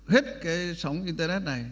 hết cái sóng internet này